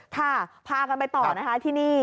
พากันไปต่อนะคะที่นี่